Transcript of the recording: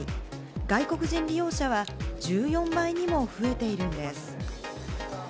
外国人利用者は１４倍にも増えているんです。